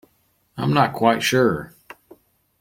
I'm not quite sure.